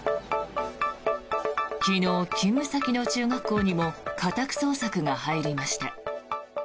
昨日、勤務先の中学校にも家宅捜索が入りました。